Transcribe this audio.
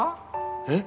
えっ？